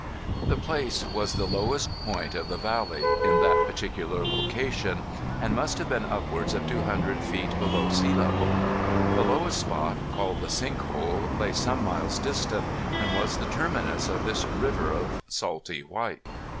This place was the lowest point of the valley, in that particular location, and must have been upwards of two hundred feet below sea level. The lowest spot, called the Sink Hole, lay some miles distant, and was the terminus of this river of salty white.